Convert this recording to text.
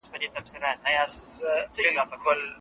خپل مخ په پاکه صابون ومینځئ.